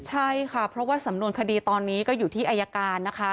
ใช่ค่ะเพราะว่าสำนวนคดีตอนนี้ก็อยู่ที่อายการนะคะ